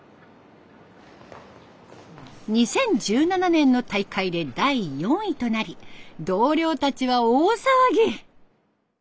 ２０１７年の大会で第４位となり同僚たちは大騒ぎ。